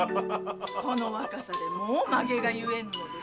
この若さでもう髷が結えぬのです。